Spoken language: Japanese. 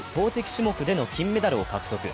種目での金メダルを獲得。